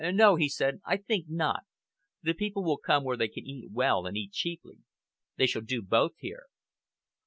"No!" he said, "I think not. The people will come where they can eat well and eat cheaply. They shall do both here."